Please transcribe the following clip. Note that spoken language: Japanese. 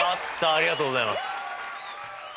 ありがとうございます。